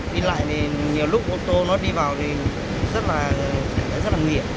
đi lại thì nhiều lúc ô tô nó đi vào thì rất là rất là nghiện